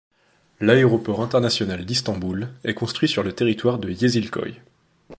L'aéroport international d'Istanbul est construit sur le territoire de Yeşilköy.